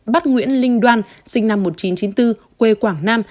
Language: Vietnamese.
bắt nguyễn linh đoan sinh năm một nghìn chín trăm chín mươi bốn quê quảng nam